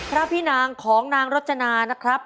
พระพี่นางของนางรจนานะครับ